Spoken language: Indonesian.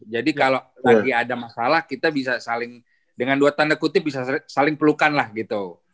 jadi kalau lagi ada masalah kita bisa saling dengan dua tanda kutip bisa saling pelukan lah gitu